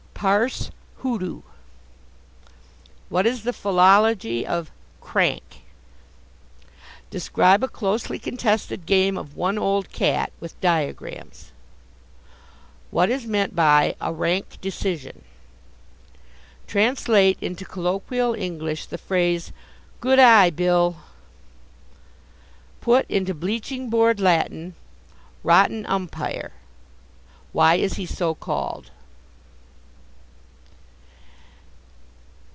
Parse "hoodoo." What is the philology of "crank"? Describe a closely contested game of "one old cat," with diagrams. What is meant by "a rank decision"? Translate into colloquial English the phrase, "Good eye Bill!" Put into bleaching board Latin, "Rotten umpire." Why is he so called?